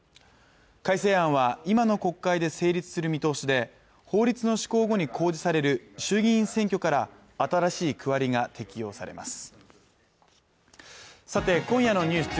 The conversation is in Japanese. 改正案は今の国会で成立する見通しで法律の施行後に公示される衆議院選挙から新しい区割りが適用されます